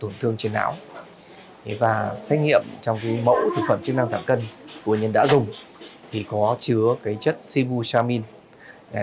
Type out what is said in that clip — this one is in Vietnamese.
trước đó như báo sức khỏe và đề nghị thông báo ngay cho cơ quan chức năng để xử lý theo quy định của pháp luật